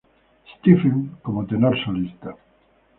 Stephens como tenor solista.